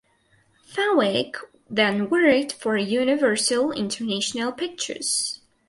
Fenwick then worked for Universal International Pictures.